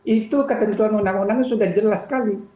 itu ketentuan undang undangnya sudah jelas sekali